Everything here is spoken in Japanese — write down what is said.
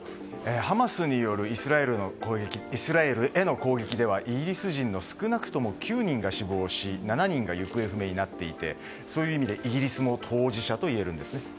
ハマスによるイスラエルへの攻撃ではイギリス人の少なくとも９人が死亡し７人が行方不明になっていてそういう意味でイギリスも当事者といえます。